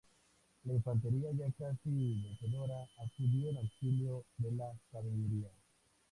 La infantería ya casi vencedora, acudió en auxilio de la caballería.